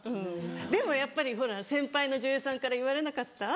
でもやっぱりほら先輩の女優さんから言われなかった？